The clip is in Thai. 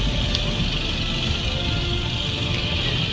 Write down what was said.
สวัสดีครับคุณผู้ชาย